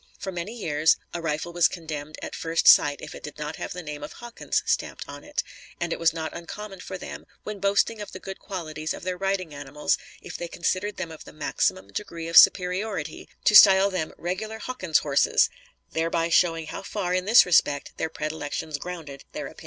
For many years a rifle was condemned at first sight if it did not have the name of Hawkins stamped on it, and it was not uncommon for them, when boasting of the good qualities of their riding animals, if they considered them of the maximum degree of superiority, to style them "regular Hawkins horses", thereby showing how far, in this respect, their predilections grounded their opinions.